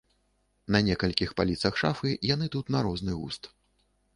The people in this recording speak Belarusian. На некалькіх паліцах шафы яны тут на розны густ.